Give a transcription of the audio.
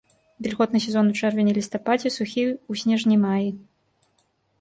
Вільготны сезон у чэрвені-лістападзе, сухі ў снежні-маі.